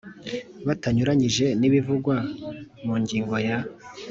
Bitanyuranyije n ibivugwa mu ngingo ya